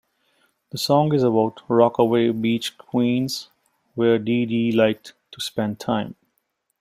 The song is about Rockaway Beach, Queens, where Dee Dee liked to spend time.